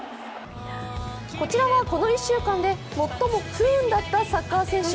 こちらはこの１週間で最も不運だったサッカー選手。